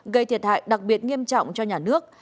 gây thiệt hại đặc biệt nghiêm trọng cho nhà nước